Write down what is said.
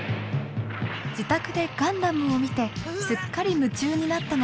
自宅で「ガンダム」を見てすっかり夢中になったのです。